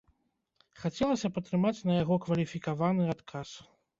Хацелася б атрымаць на яго кваліфікаваны адказ.